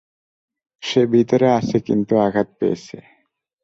সে ভিতরে আছে, কিন্তু আঘাত পেয়েছে।